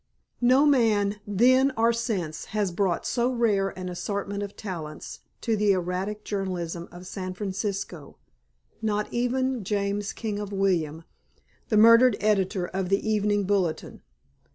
No man, then or since, has brought so rare an assortment of talents to the erratic journalism of San Francisco; not even James King of William, the murdered editor of the Evening Bulletin.